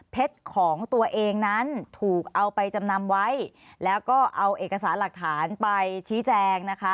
ของตัวเองนั้นถูกเอาไปจำนำไว้แล้วก็เอาเอกสารหลักฐานไปชี้แจงนะคะ